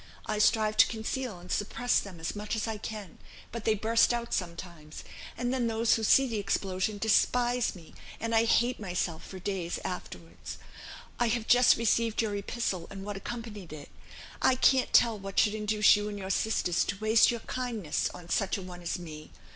I strive to conceal and suppress them as much as I can; but they burst out sometimes, and then those who see the explosion despise me, and I hate myself for days afterwards ... I have just received your epistle and what accompanied it. I can't tell what should induce you and your sisters to waste your kindness on such a one as me.